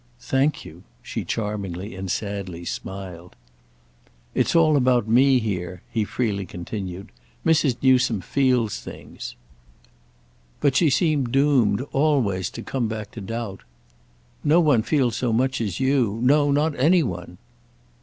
"Thank you!" she charmingly and sadly smiled. "It's all about me here," he freely continued. "Mrs. Newsome feels things." But she seemed doomed always to come back to doubt. "No one feels so much as you. No—not any one."